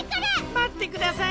まってください。